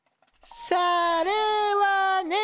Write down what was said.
それはね。